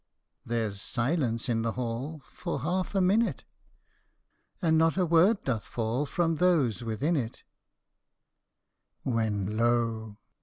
" There 's silence in the hall For half a minute, And not a word doth fall From those within it ; When, lo